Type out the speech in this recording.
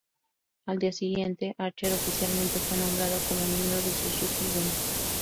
Al día siguiente, Archer oficialmente fue nombrado como miembro de Suzuki-gun.